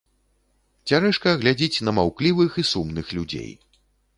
Цярэшка глядзіць на маўклівых і сумных людзей.